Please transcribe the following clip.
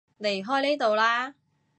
離開呢度啦